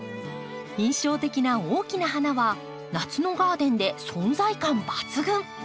印象的な大きな花は夏のガーデンで存在感抜群。